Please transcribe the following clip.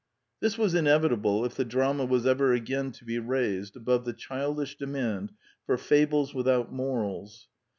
This was inevitable if the drama was ever again to be raised above the childish demand for fables without morals.